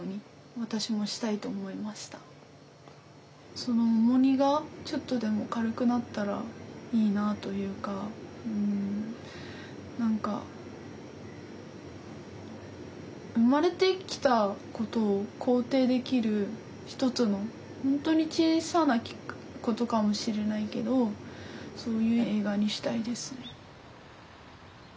その重荷がちょっとでも軽くなったらいいなというか何か生まれてきたことを肯定できる一つの本当に小さなことかもしれないけどそういう映画にしたいですね。